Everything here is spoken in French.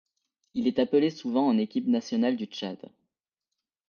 Il est appelé souvent en équipe nationale du Tchad.